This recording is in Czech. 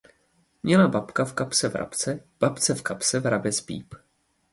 Měla babka v kapse vrabce, babce v kapse vrabec píp.